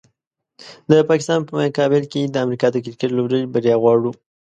د پاکستان په مقابل کې د امریکا د کرکټ لوبډلې بریا غواړو